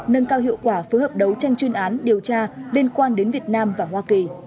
nâng cao hiệu quả phối hợp đấu tranh chuyên án điều tra liên quan đến việt nam và hoa kỳ